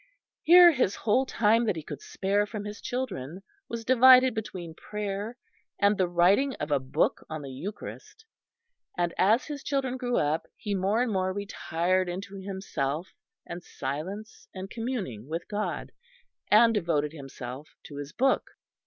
Here his whole time that he could spare from his children was divided between prayer and the writing of a book on the Eucharist; and as his children grew up he more and more retired into himself and silence and communing with God, and devoted himself to his book.